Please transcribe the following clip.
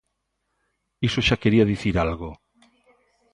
Iso xa quería dicir algo.